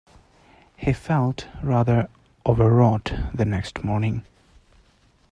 He felt rather overwrought the next morning.